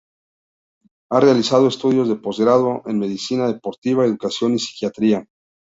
Ha realizado estudios de postgrado en Medicina Deportiva, Educación y Psiquiatría.